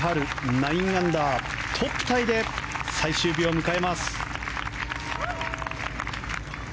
９アンダー、トップタイで最終日を迎えます。